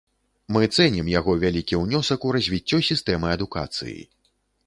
Мы цэнім яго вялікі ўнёсак у развіццё сістэмы адукацыі.